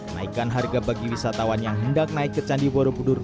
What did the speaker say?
naikan harga bagi wisatawan yang hendak naik ke candi borobudur